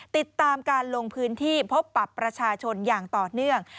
ติดตามการลงพื้นที่พบปรับประชาชนอย่างต่อเนื่อง